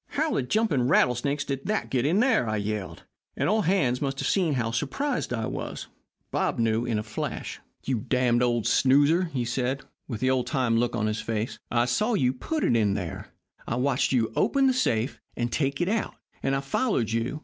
"'How the jumping rattlesnakes did that get there?' I yelled, and all hands must have seen how surprised I was. Bob knew in a flash. "'You darned old snoozer,' he said, with the old time look on his face, 'I saw you put it there. I watched you open the safe and take it out, and I followed you.